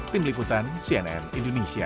tim liputan cnn indonesia